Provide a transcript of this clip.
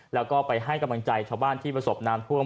แล้วก็ไปให้กำลังใจชาวบ้านที่ประสบน้ำท่วม